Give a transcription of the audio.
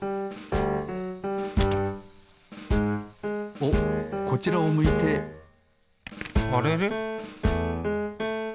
おっこちらを向いてあれれ？